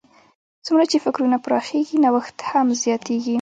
څومره چې فکرونه پراخېږي، نوښت هم زیاتیږي.